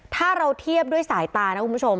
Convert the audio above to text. ถ้าเราเทียบด้วยสายตานะคุณผู้ชม